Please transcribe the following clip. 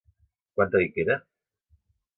Quant ha dit que era?